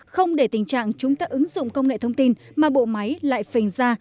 không để tình trạng chúng ta ứng dụng công nghệ thông tin mà bộ máy lại phình ra